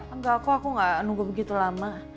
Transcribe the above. enggak aku aku gak nunggu begitu lama